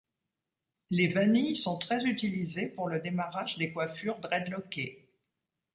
Les vanilles sont très utilisées pour le démarrage des coiffures dreadlockées.